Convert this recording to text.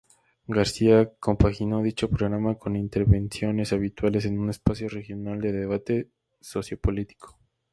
García compaginó dicho programa con intervenciones habituales en un espacio regional de debate sociopolítico.